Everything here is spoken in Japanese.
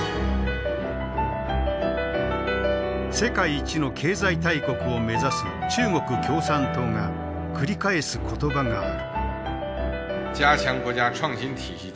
世界一の経済大国を目指す中国共産党が繰り返す言葉がある。